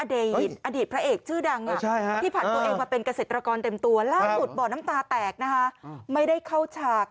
อดีตพระเอกชื่อดังที่ผ่านตัวเองมาเป็นเกษตรกรเต็มตัวล่าสุดบ่อน้ำตาแตกนะคะไม่ได้เข้าฉาก